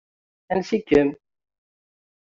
Ansi-kem.